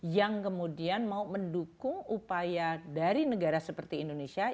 yang kemudian mau mendukung upaya dari negara seperti indonesia